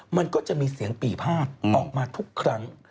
มันก็จะมีเสียงปี่พาดออกมาทุกครั้ง